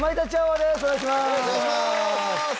お願いします！